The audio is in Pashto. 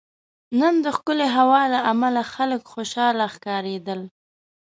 نن دښکلی هوا له عمله خلک خوشحاله ښکاریدل